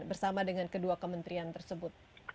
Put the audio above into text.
bersama dengan kedua kementerian tersebut